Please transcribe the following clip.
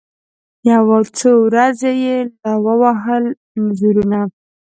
یو څو ورځي یې لا ووهل زورونه